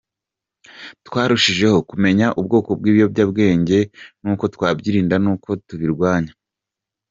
Twarushijeho kumenya ubwoko bw’ibiyobyabwenge n’uko twabyirinda no kubirwanya.